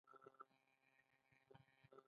ایا د خوړو پر مهال اوبه څښئ؟